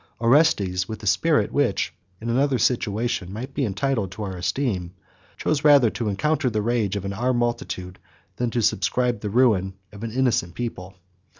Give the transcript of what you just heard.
Orestes, with a spirit, which, in another situation, might be entitled to our esteem, chose rather to encounter the rage of an armed multitude, than to subscribe the ruin of an innocent people.